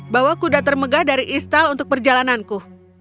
bawa kuda termegah dari istal untuk perjalananku